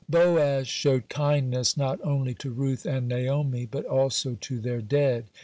(54) Boaz showed kindness not only to Ruth and Naomi, but also to their dead.